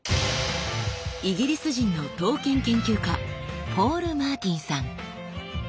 イギリス人の刀剣研究家ポール・マーティンさん。